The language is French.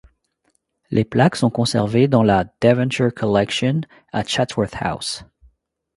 Les plaques sont conservées dans la Devonshire Collection à Chatsworth House.